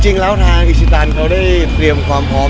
จริงแล้วทางอิชิตันเขาได้เตรียมความพร้อม